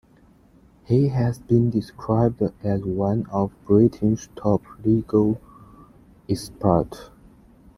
He has been described as one of Britain's top legal experts.